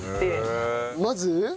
まず？